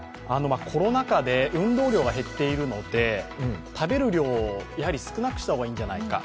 コロナ禍で運動量が減っているので、食べる量を少なくした方がいいんじゃないかと。